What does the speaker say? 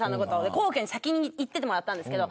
皇居に先に行っててもらったんですけど。